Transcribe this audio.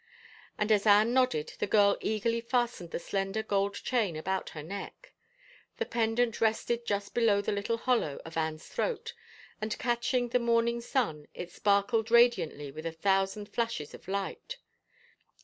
and as Anne nodded the girl eagerly fastened the slender gold chain about her neck. The pendant rested just below the little hollow of Anne's throat, and, catching the morning sun, it sparkled radi antly with a thousand flashes of light.